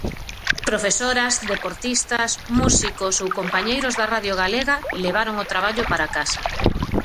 Profesoras, deportistas, músicos ou compañeiros da Radio Galega levaron o traballo para a casa.